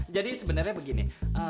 jadi sebenarnya begini